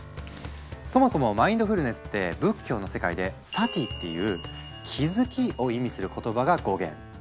そもそも「マインドフルネス」って仏教の世界で「Ｓａｔｉ」っていう「気づき」を意味する言葉が語源。